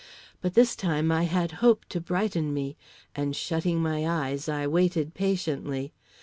But this time I had hope to brighten me, and shutting my eyes, I waited patiently.